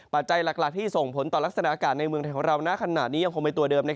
ปัจจัยหลักที่ส่งผลต่อลักษณะอากาศในเมืองไทยของเราณขณะนี้ยังคงเป็นตัวเดิม